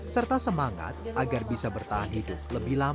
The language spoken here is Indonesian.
serta semangat agar bisa bertahan hidup lebih lama